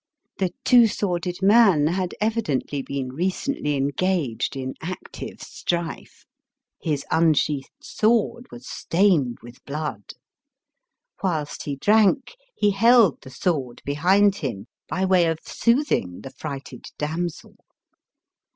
The Two S worded Man had evidently been recently engaged in active strife. His un sheathed sword was stained with blood. Whilst he drank he held the sword behind him, by way of soothing the frighted damsel.